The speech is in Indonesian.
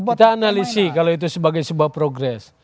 kita analisi kalau itu sebagai sebuah progres